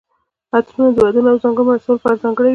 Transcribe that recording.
عطرونه د ودونو او ځانګړو مراسمو لپاره ځانګړي وي.